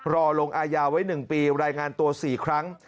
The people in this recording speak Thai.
รอลงอายาไว้๑ปีรายงานตัว๔ครั้ง